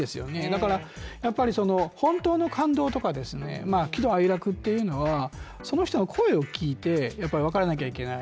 だからやっぱり本当の感動とか喜怒哀楽というのは、その人の声を聞いて分からなきゃいけない。